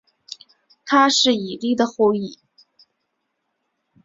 他是以利的后裔。